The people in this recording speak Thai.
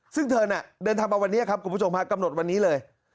ซึ่งเธอน่ะเดินทางมาวันนี้ครับคุณผู้ชมฮะกำหนดวันนี้เลย